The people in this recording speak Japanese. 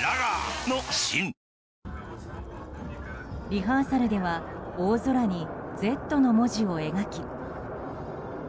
リハーサルでは大空に「Ｚ」の文字を描き。